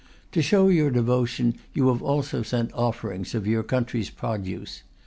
To show your devotion, you have also sent offerings of your country's produce.